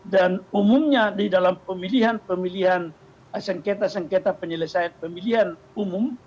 dan umumnya di dalam pemilihan pemilihan sengketa sengketa penyelesaian pemilihan umum